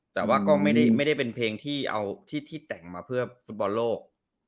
แต่ว่าก็ไม่ได้เป็นเพลงที่แต่งมาเพื่อบลโลก